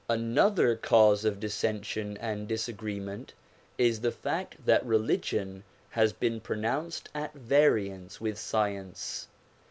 Another cause of dissension and disagreement is the fact that religion has been pronounced at variance with science.